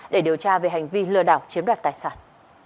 để điều tra về hành vi lừa đảo chiếm đoạt tài sản